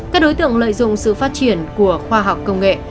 các đối tượng lợi dụng sự phát triển của khoa học công nghệ